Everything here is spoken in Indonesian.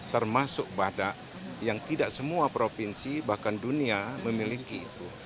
termasuk badak yang tidak semua provinsi bahkan dunia memiliki itu